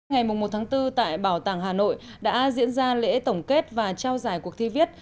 ngày một tháng bốn tại bảo tàng hà nội đã diễn ra lễ tổng kết và trao giải cuộc thi viết